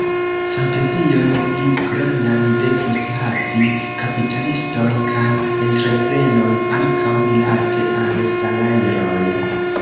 Fantazion pli grandan devus havi kapitalistoj kaj entreprenoj ankaŭ rilate al salajroj.